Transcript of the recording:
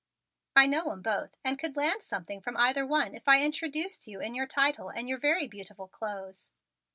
I know 'em both and could land something from either one if I introduced you in your title and very beautiful clothes."